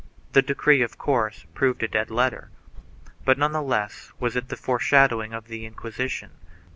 2 The decree, of course, proved a dead letter, but none the less was it the foreshadowing of the Inquisition.